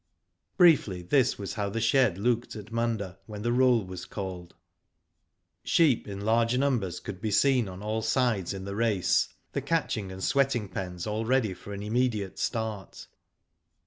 Briefly, this was how the shed looked at Munda, when the roll was called. Sheep in large numbers could be seen on all gides in the race, the catching and sweating pens all ready for an immediate start.